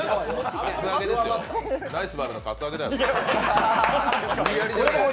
ナイスバーベのカツアゲだよ。